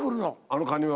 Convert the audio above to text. あのカニが？